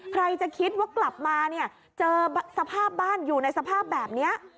ใครจะคิดว่ากลับมาเนี่ยเจอสภาพบ้านอยู่ในสภาพแบบนี้